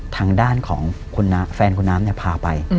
ทางด้านของแฟนคุณน้ำพาไป